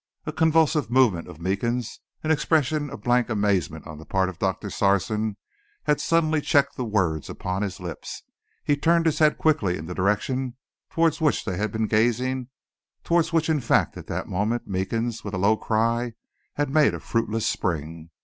A convulsive movement of Meekins', an expression of blank amazement on the part of Doctor Sarson, had suddenly checked the words upon his lips. He turned his head quickly in the direction towards which they had been gazing, towards which in fact, at that moment, Meekins, with a low cry, had made a fruitless spring.